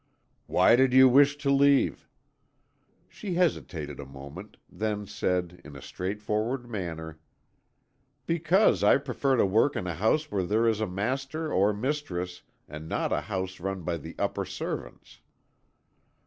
"Why did you wish to leave?" She hesitated a moment, then said, in a straightforward manner: "Because I prefer to work in a house where there is a master or mistress and not a house run by the upper servants."